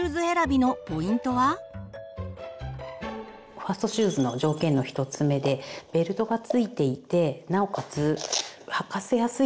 ファーストシューズの条件の１つ目でベルトがついていてなおかつ履かせやすいこと。